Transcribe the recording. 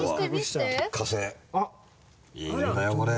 「火星」いいんだよこれ。